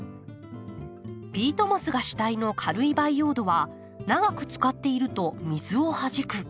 ピートモスが主体の軽い培養土は長く使っていると水をはじく。